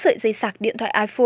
sáu sợi dây sạc điện thoại iphone